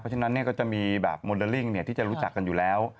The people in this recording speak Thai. ฉะนั้นก็จะมีแบบโมเดลลิ่งที่จะรู้จักกันอยู่แล้ว